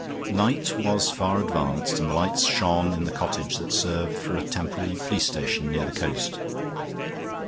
Night was far advanced and the lights shone in the cottage that served for a temporary police station near the coast.